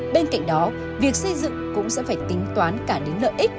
bên cạnh đó việc xây dựng cũng sẽ phải tính toán cả đến lợi ích